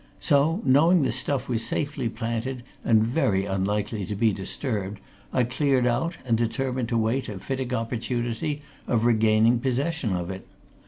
So, knowing the stuff was safely planted and very unlikely to be disturbed, I cleared out, and determined to wait a fitting opportunity of regaining possession of it.